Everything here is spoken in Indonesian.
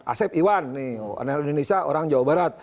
asep iwan nih anak indonesia orang jawa barat